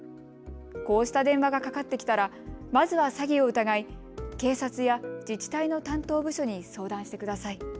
こうした電話がかかってきたらまずは詐欺を疑い警察や自治体の担当部署に相談してください。